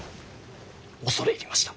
恐れ入りました。